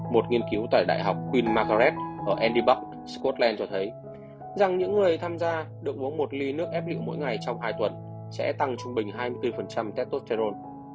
một nghiên cứu tại đại học queen margaret ở andy buck scotland cho thấy rằng những người tham gia được uống một ly nước ép lựu mỗi ngày trong hai tuần sẽ tăng trung bình hai mươi bốn tetosterone